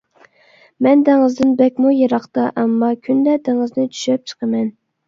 مەن دېڭىزدىن بەكمۇ يىراقتا، ئەمما كۈندە دېڭىزنى چۈشەپ چىقىمەن.